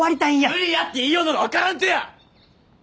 無理やって言いようのが分からんとや！